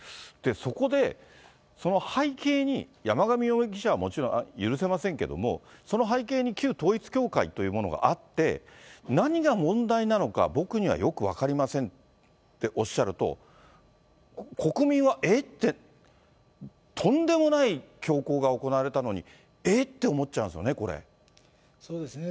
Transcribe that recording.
そこで、その背景に山上容疑者はもちろん許せませんけれども、その背景に旧統一教会というものがあって、何が問題なのか、僕にはよく分かりませんっておっしゃると、国民はえっ？ってとんでもない凶行が行われたのに、えっ？って思っちゃうんでそうですね、